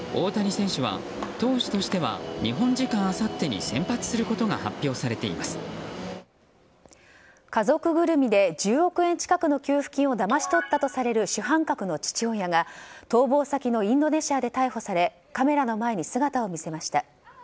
結局、延長戦の末エンゼルスは敗れ家族ぐるみで１０億円近くの給付金をだまし取ったとされる主犯格の父親が逃亡先のインドネシアで逮捕されカメラの前に姿を見せました。